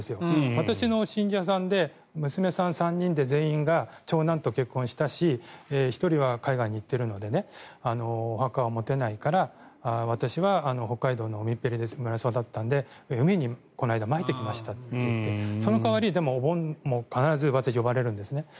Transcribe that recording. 私の信者さんで娘さん３人で全員が長男と結婚したし１人は海外に行っているのでお墓は持てないから私は北海道の海っぺりの村で育ったので海にこの間まいてきましたと言ってその代わり、お盆も必ず私は呼ばれるんですね。